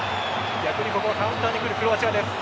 逆にここはカウンターに来るクロアチアです。